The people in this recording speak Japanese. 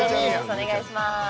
お願いします。